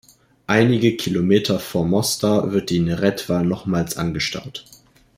Einige Kilometer vor Mostar wird die Neretva nochmals angestaut.